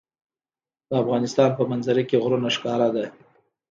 د افغانستان په منظره کې غرونه ښکاره ده.